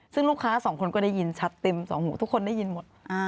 ซึ่งลูกค้าสองคนก็ได้ยินชัดเต็มสองหูทุกคนได้ยินหมด